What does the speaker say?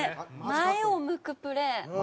前を向くプレー。